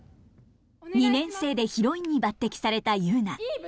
２年生でヒロインに抜てきされたユウナ。